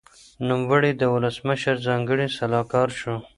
نوموړي د ولسمشر ځانګړی سلاکار شو.